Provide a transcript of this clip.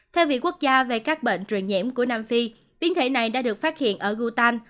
theo viện quốc gia về các bệnh truyền nhiễm của nam phi biến thể này đã được phát hiện ở gutan